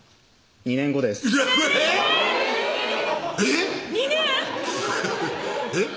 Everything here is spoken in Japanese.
２年後ですえっ